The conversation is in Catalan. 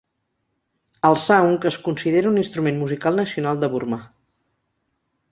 El saung es considera un instrument musical nacional de Burma.